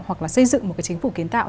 hoặc là xây dựng một cái chính phủ kiến tạo